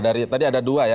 dari tadi ada dua ya